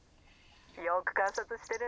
☎よく観察してるね。